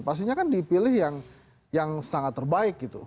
pastinya kan dipilih yang sangat terbaik gitu